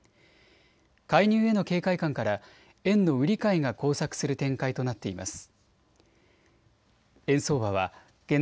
介入への警戒感から円の売り買いが交錯する展開となっています。